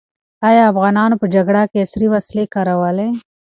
ایا افغانانو په جګړه کې عصري وسلې کارولې؟